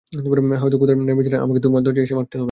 হয়তো খোদার ন্যায়বিচারে আমাকে তোমার দরজায় এসে মারতে হবে।